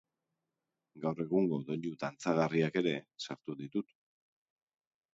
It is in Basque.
Gaur egungo doinu dantzagarriak ere sartu ditut.